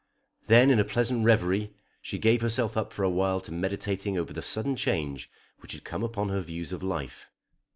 Then in a pleasant reverie she gave herself up for a while to meditating over the sudden change which had come upon her views of life.